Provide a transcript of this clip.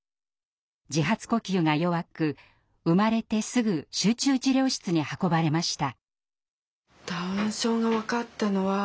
自発呼吸が弱く生まれてすぐ集中治療室に運ばれました。